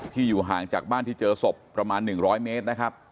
อยู่ห่างจากบ้านที่เจอศพประมาณ๑๐๐เมตรนะครับ